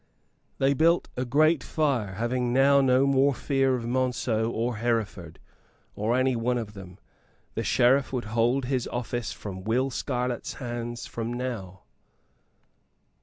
They built a great fire, having now no more fear of Monceux or Hereford, or any one of them. The Sheriff would hold his office from Will Scarlett's hands from now!